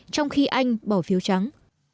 trong khi anh bảo phiếu trắng